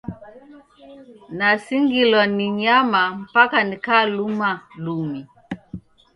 Nasingilwa ni nyama mpaka nikakuluma lumi!